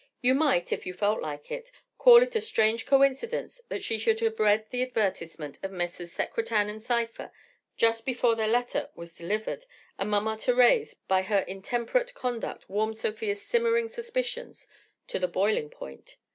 You might, if you felt like it, call it a strange coincidence that she should have read the advertisement of Messrs. Secretan & Sypher just before their letter was delivered and Mama Thérèse by her intemperate conduct warmed Sofia's simmering suspicions to the boiling point.